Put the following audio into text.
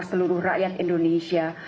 untuk rakyat indonesia